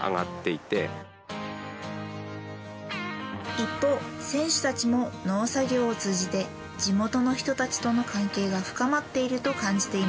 一方選手たちも農作業を通じて地元の人たちとの関係が深まっていると感じています。